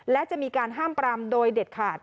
และจะมีการห้ามปรามโดยเด็ดขาด